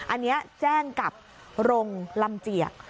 อันนี้แจ้งกับรงลำเจียก